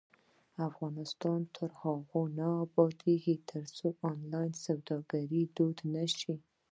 افغانستان تر هغو نه ابادیږي، ترڅو آنلاین سوداګري دود نشي.